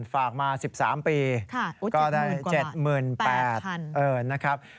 ฝากมา๑๓ปีก็ได้๗๘๐๐๐นะครับ